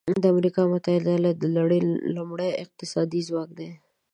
د امریکا متحده ایالات د نړۍ لومړی اقتصادي ځواک دی.